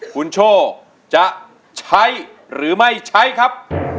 คุณโชคจะใช้หรือไม่ใช้ครับ